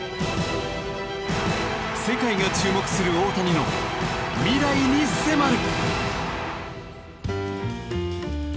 世界が注目する大谷の未来に迫る。